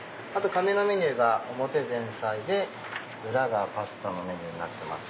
紙のメニューが表前菜で裏がパスタのメニューになってます。